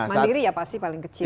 mandiri ya pasti paling kecil